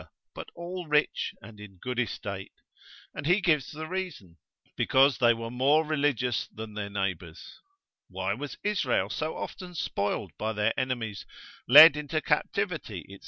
but all rich, and in good estate, and he gives the reason, because they were more religious than, their neighbours: why was Israel so often spoiled by their enemies, led into captivity, &c.